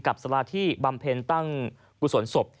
กับสลาที่บำเพ็ญตั้งศพ